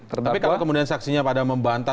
tapi kalau kemudian saksinya pada membantah